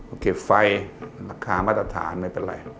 เก็บไฟราคามาตรฐานไม่เป็นไร